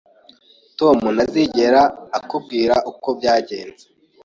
Tom ntazigera akubwira uko byagenze